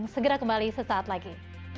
segera kembali sesaat lagi